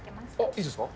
いいですか。